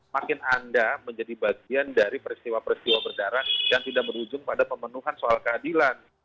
makin anda menjadi bagian dari peristiwa peristiwa berdarah yang tidak berujung pada pemenuhan soal keadilan